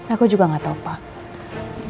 aku juga gatau gears